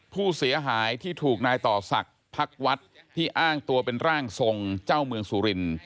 ผู้เสียหายที่ถูกนายต่อศักดิ์พักวัดที่อ้างตัวเป็นร่างทรงเจ้าเมืองสุริน